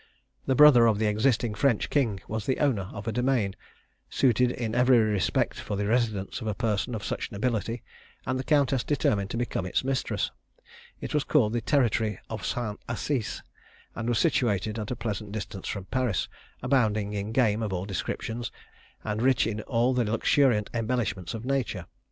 The brother of the existing French king was the owner of a domain, suited in every respect for the residence of a person of such nobility, and the countess determined to become its mistress. It was called the territory of St. Assise, and was situated at a pleasant distance from Paris, abounding in game of all descriptions, and rich in all the luxuriant embellishments of nature.